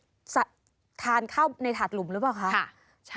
ุ๋ยแล้วตอนท้านข้าวในถาดหลุมรึเปล่าคะใช่